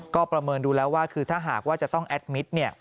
ก็ประเมินดูแล้วว่าคือถ้าหากว่าจะต้องแอดมิตร